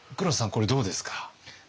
これどうですか？